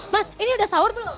mas ini udah sahur belum